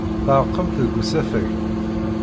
Tɛerqemt deg usafag.